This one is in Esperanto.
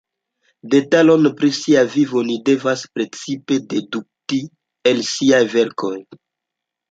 Detalojn pri ŝia vivo ni devas precipe dedukti el ŝiaj verkoj.